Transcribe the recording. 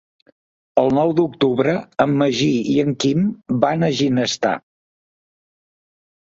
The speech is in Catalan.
El nou d'octubre en Magí i en Quim van a Ginestar.